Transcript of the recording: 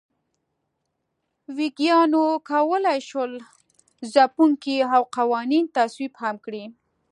ویګیانو کولای شول ځپونکي او قوانین تصویب هم کړي.